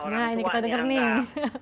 nah ini kita denger nih